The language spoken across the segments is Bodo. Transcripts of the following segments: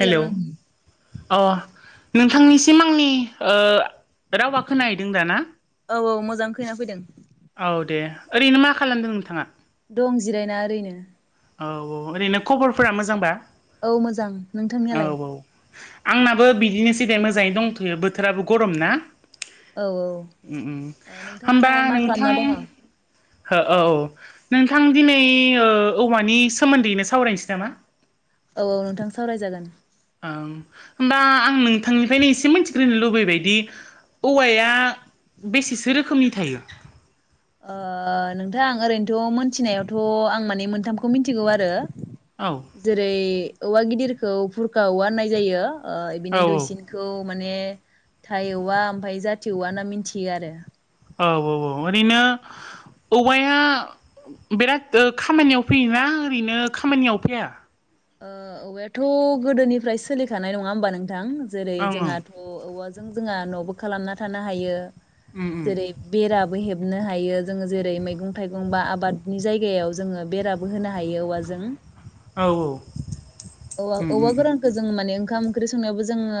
हेलौ नों अह नोंथांनिसिम आंनि ओ रावा खोनाहैदों दा ना? औ औ मोजां खैना फैदों। औ दे ओरैनो मा खालामदों नोंथाङा? दं जिरायना ओरैनो। औ औ ओरैनो खबरफोरा मोजांबा? औ मोजां औ नोंथांनियालाय? औ आंनाबो बिदिनोसै दे मोजायै दंथ'यो औ बोथोराबो गरम ना। औ ओ उम उम नोंथाङा होमबा दाहाय मा नोंथां खालामना दङ औ हो औ नोंथां दिनै ओ औवानि सोमोन्दैनो सावरायनोसै नामा? औ औ नोंथां सावरायजागोन। ओं होमबा आं नोंथांनिफ्रायनो एसे मोनथिग्रोनो लुबैबायदि औवाया बेसेसो रोखोमनि थायो? ओ नोंथां ओरैनोथ' मोनथिनायावथ' आं माने मोनथामखौ मिनथिगौ आरो। औ जेरै औवा गिदिरखौ भुरका औवा होननाय जायो। ओ‌ औ बिनि औ दुइसिनखौ माने थाइ औवा ओमफाय जाथि औवा होना मिनथियो आरो। औ औ औ ओरैनो औवाया बिराद ओ खामानियाव फैयोना ओरैनो खामानियाव फैया? ओ औवायाथ' गोदोनिफ्राय सोलिखानाय नङा होमबा नोंथां जेरै ओं ओं जोंहाथ' औवाज जों जोङा न'बो खालामना थानो हायो उम जेरै बेराबो हेब नो हायो जोङो जेरै मैगं थाइगं बा आबादनि जायगायाव जोङो बेराबो होनो हायो औवाजों। औ औ औवा औवा गोरानखौ जों माने ओंखाम ओंख्रि संनायावबो जोङो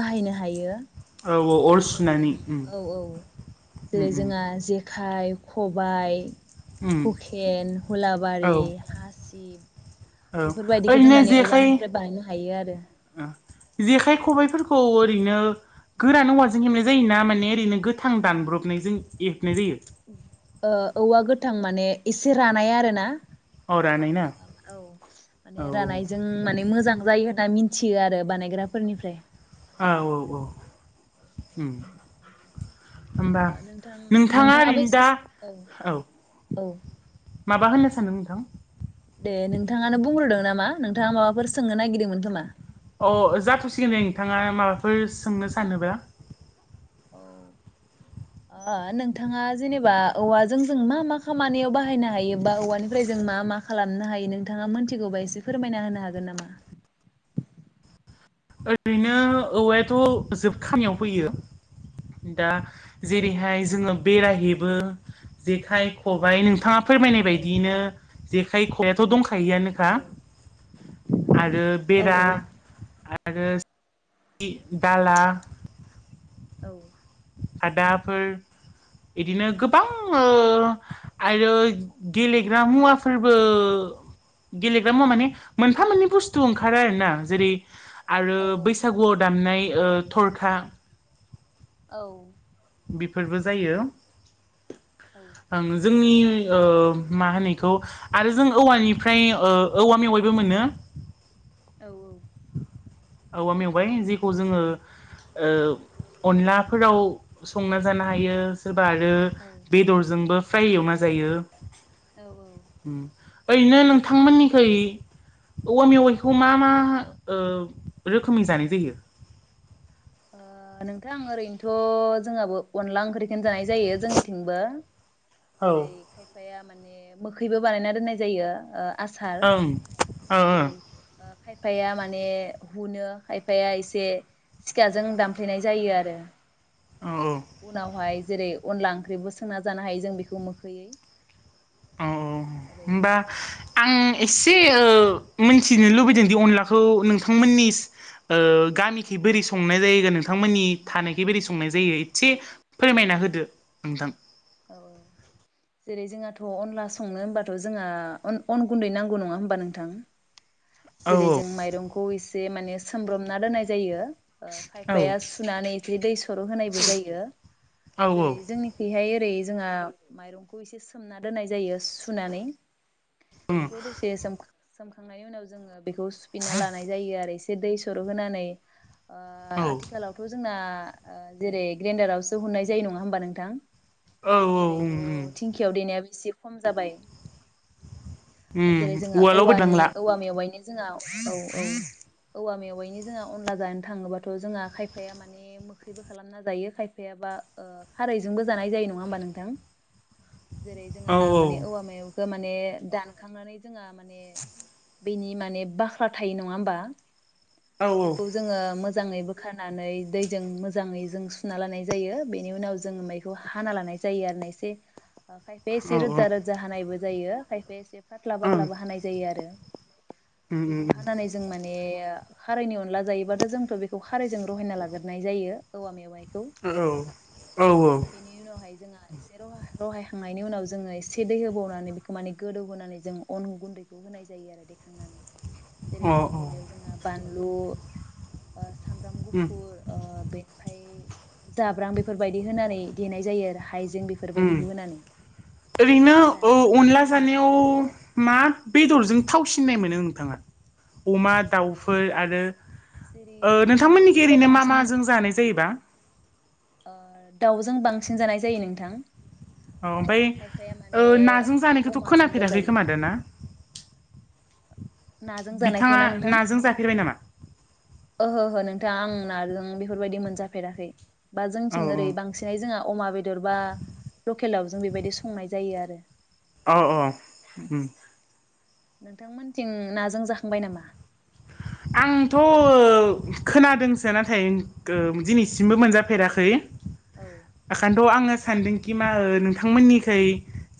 बाहायनो हायो। औ औ अर जेरै जों सुनानै उम औ औ जेरै जोंङा जेखाइ, खबाइ उम हुखेन, हुलाबारि, औ हासिब औ बेफोरबायदिखो जों ओरैनो माने जेखाइ औवानिफ्राय बानायनो हायो आरो। जेखाइ खबाइफोरखौ ओरैनो गोरान औवाजों हेबनाय जायो ना माने ओरैनो गोथां दानब्रबनायजों हेबनाय जायो? ओ औवा गोथां माने इसे रानाय आरो ना। अ रानाय ना ओम औ माने औ रानायजों माने मोजां जायो होनना मिन थियो आरो बानायग्राफोरनिफ्राय। उम होमबा ओ नोंथां नोंथाङा नोंथाङाबो ओरैनो एसे दा औ। औ। माबा होननो सानदों नोंथां? दे नोंथाङानो बुंग्रोदों नामा नोंथाङा माबाफोर सोंनो नागिरदोंमोन खोमा। अ जाथ'सिगोन दे नोंथाङा माबाफोर सोंनो सानोब्ला औ। ओ नोंथाङा जेनेबा औवाजों जों मा मा खामानियाव बाहायनो हायोबा औवानिफ्राय जों मा मा खालामनो हायो नोंथाङा मोनथिगौबा एसे फोरमायना होनो हागोन नामा? [inaudible] ओरैनो औवायाथ' जोब खानायाव फैयो दा। औ जेरैहाय जोङो बेरा हेबो जेखाइ खबाइ नोंथाङा फोरमायनाय औ बायदियैनो जेखाय खबायाथ' दं खायोआनोखा औ आरो औ बेरा आरो दाला औ। खादाफोर बिदिनो गोबां ओ आरो गेलेग्रा मुवाफोरबो गेलेग्रा मुवा माने मोनफा मोननै बुस्थु ओंखारो आरो ना। जेरै आरो बैसागुआव दामनाय ओ थरखा। औ। बेफोरबो जायो। औ आं जोंनि ओ मा होनो इखौ आरो जों औवानिफ्राय ओ औवा मेवाइबो मोनो। [inaudible] औ औ। औवा मेवाय जेखौ जोङो ओ अनलाफोराव संना जानो हायो। [unintelligible] बा आरो औ बेदरजोंबो फ्राय एवना जायो। औ औ। ओम ओरैनो नोंथांमोननिखै औवा मेवाइखौ मा मा ओ रोखोमनि जानाय जायो। ओ ओ नोंथां ओरैनोथ' जोंहाबो अनला ओंख्रिखोनो जानाय जायो जोंनिथिंबो। औ जेरै खायफाया माने मोखैबो बानायना दोननाय जायो। ओ आसार ओम ओ ओ। खायफाया माने हुनो खायफाया एसे सिखाजों दानफ्लेनाय जायो आरो ओ औ औ उनावहाय जेरै अनला ओंख्रिबो संना जानो हायो जों बेखौ मोखैयै। औ औ ओरै होमबा आं एसे ओ मिथिनो लुबैदों दि अनलाखौ नोंथांमोननि ओ गामिखि बोरै संनाय जायो नोंथांमोननि थानायखै बोरै संनाय जायो इससे फोरमाय ना होदो नोंथां। औ औ। जेरै जोंहाथ' अनला संनो होनबाथ' जोंहा अन अन गुन्दै नांगौ नङा होमबा नोंथां। औ जेरै जों माइरंखौ एसे माने सोमब्रमना दोननाय जायो। ओ खायफाया सुनानै इदि दै सर' होनायबो जायो। औ औ जेरै जोंनिखैहाय ओरै जोंहा माइरंखौ एसे सोमना दोननाय जायो सुनानै। उम बेखौ दसे सोम सोमखांनायनि उनाव जोङो बेखौ सुफिनना लानाय जायो आरो ए से दै सर' होनानै ओ औ आथिखालावथ' जोंना ओ जेरै ग्रेनडारावसो हुननाय जायो नङा होमबा नोंथां। औ उम जेरैथ' उम धिंखियाव देनायाबो एसे खम जाबाय। दिनै उम जोंहा उवालाव औवानि बोदांला औवा मेवाइनि जोंहा औ औ औवा मेवाइनि जोंहा अनला जानो थाङोबाथ' जोंहा खायफाया माने मोखैबो खालामना जायो खायफाया बा ओ खारैजोंबो जानाय जायो नङा होमबा नोंथां? [inaudible] जेरै औ जोंहा माने औवा मेयावखो माने दानखांनानै जोंहा माने [inaudible] बेनि माने बाख्ला थायो नङा होमबा औ बेखौ जोङो मो जाङै बोखारनानै दैजों मोजाङै जों सुना लानाय जायो बेनि उनाव जोङो मैखौ हाना लानाय जायो आरो ना एसे खायफाया एसे ओं रोजा रोजा हानायबो जायो खायफाया एसे पाथ्ला उम पाथ्लाबो हानाय जायो आरो। बेखौ उम हानानै जों माने खारैनि अनला जायोबाथ' जोंथ' बेखौ खारायजों रहायना लाग्रोनाय जायो औवा मेवाइ औ औ औ उनावहाय जोंहा एसे र रहायखांनायनि उनाव जोङो एसे दै होबावनानै बेखौ माने गोदौ होनोनानै जों अन गुन्दैखौ होनाय जायो आरो देखांनानै जेरै अ औ गुन्दैआव जोंहा बानलु ओ सामब्राम उम गुफुर ओ बेनिफ्राय जाब्रां बेफोरबायदि होनानै देनाय जायो आरो। हाइजें उम बेफोरबायदिखौ होनानै। ओरैनो एसे औ जानाया माने अनला मोदोमनाय जानायाव मा बेदरजों थावसिननाय मोनो नोंथाङा अमा दाउफोर आरो जेरै ओ बुंनो नोंथांमोननिखै थाङोबाथ' ओरैनो मा बांसिन माजों जानाय जायोबा ओ दाउजों बांसिन जानाय जायो नोंथां। अ ओ ओमफ्राय खायफाया माने ओ नाजों जानायखौथ' अमाजोंबो खोनाफेराखै जायो खोमा दा ना? नाजों जानायखौ ना नोंथां? नाजों जाफेरबाय नामा ओहो ओहो नोंथां आं नाजों बेफोरबायदि मोनजाफेराखै। बा औ जोंथिं औ ओरै बांसिनै जोंहा अमा बे दर बा लकेल दावजों बेबायदि संनाय जायो आरो। अ अ उम नोंथांमोनथिं नाजों जाखांबाय नामा? [inaudible] आंथ' खोनादोंसो नाथाय गो दिनैसिमबो मोनजाफेराखै। औ ओखायथ' आङो। सानदोंखि मा नोंथांमोननिखै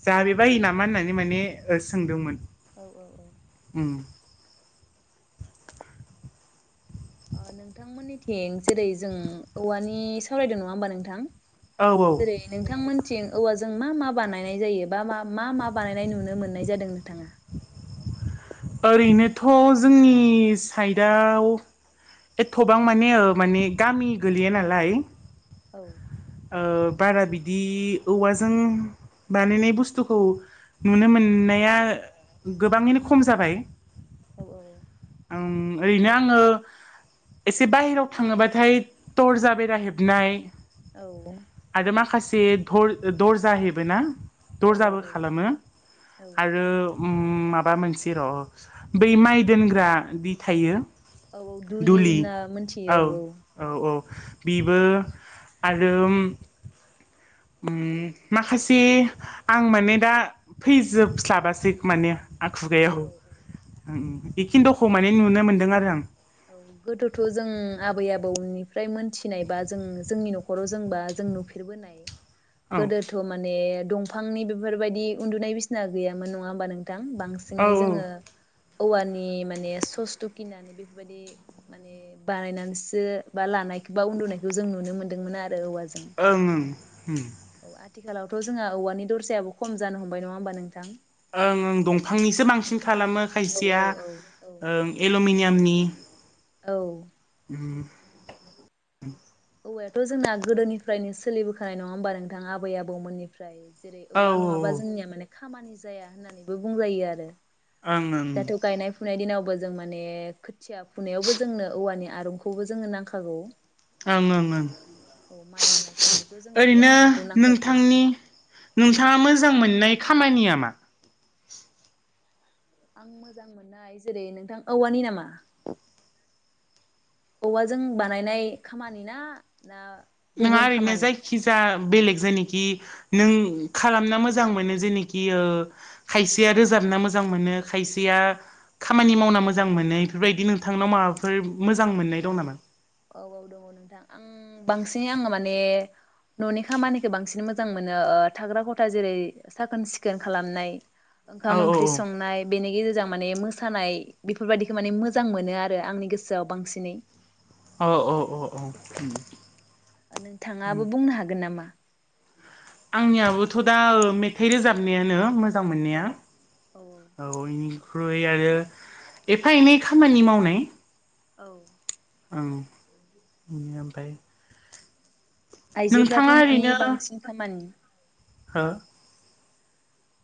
जाबाय बायो नामा होननानै माने सोंदोंमोन। औ औ उम ओ नोंथांमोननिथिं जेरै जों औवानि सावरायदों नङा होमबा नोंथां? औ औ जेरै नोंथांमोनथिं औवाजों मा मा बानायनाय जायो बा मा मा बानायनाय नुनो मोननाय जादों नोंथाङा? ओरैनोथ' जोंनि साइडआव एथ'बां माने माने गामि गोलैया नालाय औ ओ बारा बिदि औवाजों बानायनाय बुस्थुखौ नुनो मोननाया गोबाङैनो खम जाबाय। औ औ ओम ओरैनो आङो एसे बाहेराव थाङोबाथाय तरजा बेरा हेबनाय औ आरो माखासे धर दरजा हेबो ना औ औ दर्जाबो औ खालामो औ आरो उम माबा मोनसे र' बै माइ दोनग्रा दि थायो औ दुलि होनना मोनथियो औ औ औ। बेबो आरो उम माखासे आं माने दा फैजोबस्लाबासै माने आ खुगायाव औ। औ औ। उम बेखिनद'खौ माने नुनो मोन्दों आरो आं। औ गोदोथ' जों आबै आबौनिफ्राय मोनथिनायबा जों जोंनि न'खराव जोंबा जों नुफेरबोनाय औ गोदोथ' माने दंफांनि बेफोरबायदि उन्दुनाय बिसिना गैयामोन नङा होमबा नों थां औ बांसिंयै ओं जोङो औवानि माने सस थ'गिना नैबे बायदि माने बानायनानैसो बा लानायखौ बा उन्दुनायखौ जों नुनो मोन्दोंमोन आरो औवा ओं ओं उम। औ आथिखालावथ' जोंहा औवानि दरसायाबो खम जानो हमबाय नङा होमबा नोंथां? ओं ओं दंफांनिसो औ। बांसिन खालामो औ औ खायसेया औ औ ओं एल'मिनि यामनि। औ। उम उम। औवायाथ' जोंना गोदोनिफ्रायनो सोलिबोखानाय नङा होमबा नोंथां आबै आबौमोननिफ्राय जेरै औ ओं औवा नङाबा जोंनिया माने खामानि जाया होननानैबो बुंजायो आरो। ओं दाथ' गायनाय फुनाय दिनावबो जों माने खोथिया फुनायावबो जोंनो औवानि आरौ खौबो जोनो नांखागौ। ओं ओं ओं औ माइ हानाय समावथ' जोंनो बे ओरैनो आरंखौ नांखागौ नोंथांनि नोंथाङा मोजां मोननाय खामानिया मा? आं मोजां मोननाय जेरै नोंथां औवानि नामा? औवाजों बानायनाय खामानि ना ना नोङा गुबुन ओरैनो खामानि जायखिजाया बेलेग जायनेखि नों खालामना मोजां मोनो जेनाखि ओ खायसेया रोजाबना मोजां मोनो खायसेया खामानि मावना मोजां मोनो इफोरबायदि नोंथांनाव माबाफोर मोजां मोननाय दं नामा? औ औ दङ नोंथां आं बांसिनै आङो माने न'नि खामानिखौ बांसिन मोजां मोनो ओ थाग्रा खथा जेरै साखोन सिखोन खालामनाय औ ओंखाम ओंख्रि औ संनाय बेनि गेजेरजों माने मोसानाय बेफोरबायदिखौ माने मोजां मोनो आरो आंनि गोसोआव बांसिनै। अ' अ' अ' औ उम। ओ नोंथाङाबो बुंनो हागोन नामा? आंनियाबोथ' दा ओ मेथाइ रोजाबनायानो मो जां औ मोननाया। औ आगैनि ख्रुइ आरो एफा एनै खामानि मावनाय औ। उम उम आमफाय आइजोफ्राथ' न'नि बांसिन खामानि। हो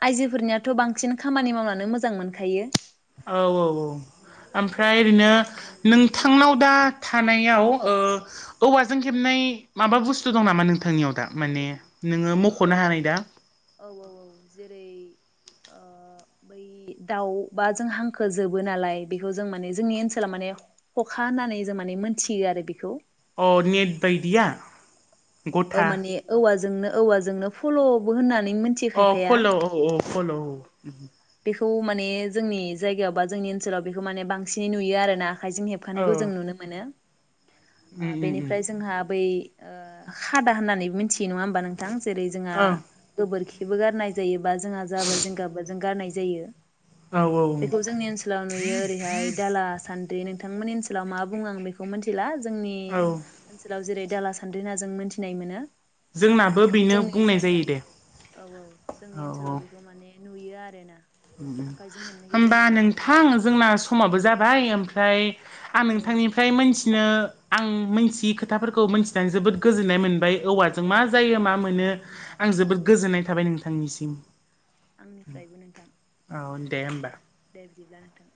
आइजोफोरनियाथ' बांसिन खामानि मावनानो मोजां मोनखायो। औ औ औ। आमफ्राय ओरैनो नोंथांनाव दा थानायाव ओ औवाजों हेबनाय नाय माबा बुस्थु दं नामा नोंथांनियाव दा माने नोङो मख'नो औ हानाय दा? औ औ औ जेरै ओ बै दाउ बा जों हांखो जोबो नालाय बेखौ जों माने जोंनि ओनसोला माने ने ख'खा होननानै जों माने मोनथियो आरो बेखौ। अ नेट बायदिया? औ गथा माने औवाजोंनो औवाजोंनो फल'बो होनना अ फल' औ औ फल' बेखौ माने जोंनि जायगायाव बा जोंनि ओनसोलाव बेखौ माने बांसिनै नुयो आरोना? हाइजें औ हेबखानायखौ जों नुनो मोनो। उम उम उम बेनिफ्राय जोंहा बै ओ खादा होननानैबो मिथियो, नङा होमबा नोंथां? जेरै जोंहा औ गोबोरखिबो गारनाय जायो जोंहा जाबोर जेंगाबो जों गारनाय जायो। औ औ बेखौ जोंनि ओनसोलाव नुयो ओरैहाय दाला सान्द्रि नोंथांमोननि ओनसोलाव मा बुङो आं बेखौ मोनथिला जोंनि औ ओनसोलाव जेरै दाला सान्द्रि होनना जों मोनथिनाय मोनो जोंनाबो बेखौ बेनो जोंनि बुंनाय जायगा जायो दे औ औ औ जोंनि ओनसोलाव बेखौ माने नुयो आरो ना। ओम ओम होमबा नोंथां जोंना समाबो जाबाय ओमफ्राय आं औ औ नोंथांनिफ्राय नोंथां मोनथिनो आं मोनथियै खोथाफोरखौ मोनथिनानै जोबोद गोजोननाय मोनबाय औवाजों मा जायो मा मोनो आं औ जोबोद औ गोजोननाय थाबाय नोंथांनिसिम। आंनिफ्रायबो नों औ दे होमबा। बिदिब्ला नोंथां।